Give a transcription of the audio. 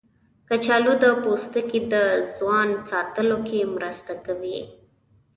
کچالو د پوستکي د ځوان ساتلو کې مرسته کوي.